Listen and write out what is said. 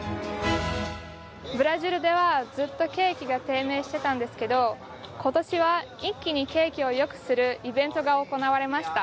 ブラジルではずっと景気が低迷してたんですけど今年は一気に景気を良くするイベントが行われました。